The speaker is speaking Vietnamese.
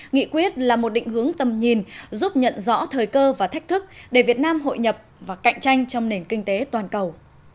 nghị quyết là một định hướng tầm nhìn giúp nhận rõ thời cơ và thách thức để việt nam hội nhập và cạnh tranh trong nền kinh tế toàn cầu